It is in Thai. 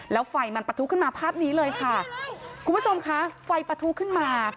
แล้วไฟมันปะทุขึ้นมาภาพนี้เลยค่ะคุณผู้ชมคะไฟปะทุขึ้นมา